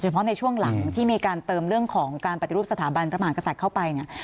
เพราะในช่วงหลังที่มีการเติมเรื่องของการปฏิรูปสถาบันพระมหากษัตริย์เข้าไปเนี่ย